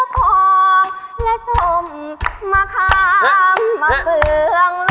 บทแพ้ท้อง